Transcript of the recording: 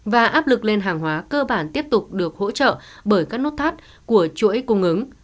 và áp lực lên hàng hóa cơ bản tiếp tục được hỗ trợ bởi các nút thắt của chuỗi cung ứng